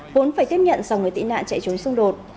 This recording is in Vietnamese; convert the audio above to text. vốn phải tiếp nhận dòng người tị nạn chạy trốn xung đột